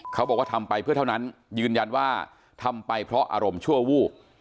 เขาบอกว่าทำไปเพื่อเท่านั้นยืนยันว่าทำไปเพราะอารมณ์ชั่ววูบ